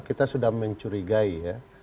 kita sudah mencurigai ya